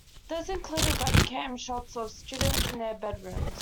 Those included webcam shots of students in their bedrooms.